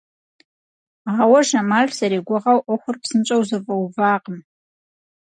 Ауэ Жамал зэригугъэу ӏуэхур псынщӏэу зэфӏэувакъым.